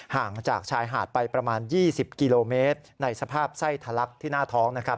ห่างจากชายหาดไปประมาณ๒๐กิโลเมตรในสภาพไส้ทะลักที่หน้าท้องนะครับ